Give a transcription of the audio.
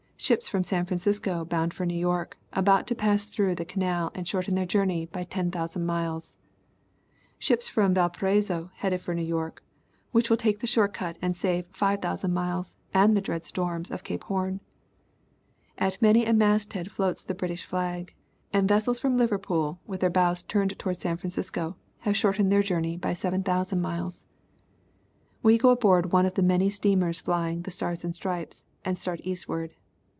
Ships from San Francisco, bound for New York, about to pass through the canal and shorten their journey by 10,000 miles. Ships from Valparaiso, headed for New York, which will take the short cut and save 5000 miles and the dread storms of Cape Horn. At many a masthead floats the British flag, and vessels from Liverpool, with their bows turned towards San Francisco, have shortened their journey by 7000 miles." " We go aboard one of the many steamers flying the " stars and stripes " and start eastward.